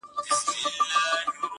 د ګنجي په ژبه بل ګنجی پوهېږي!